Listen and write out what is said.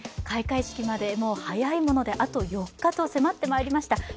開会式まで早いものであと４日と迫ってまいりました。